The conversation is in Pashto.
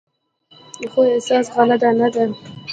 خو اساس غله دانه ده.